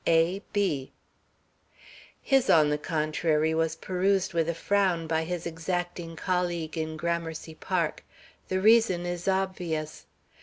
A. B. His, on the contrary, was perused with a frown by his exacting colleague in Gramercy Park. The reason is obvious.